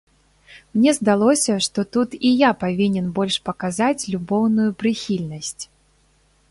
Мне здалося, што тут і я павінен больш паказаць любоўную прыхільнасць.